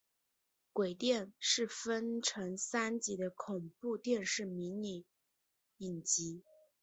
鬼店是分成三集的恐怖电视迷你影集。